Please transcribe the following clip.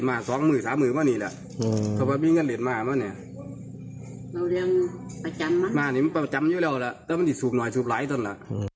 หรือพอวันร้านกว่าเอาไว้แล้ว